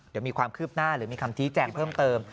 เดี๋ยวมีความคืบหน้าหรือมีคำชี้แจงเพิ่มเติม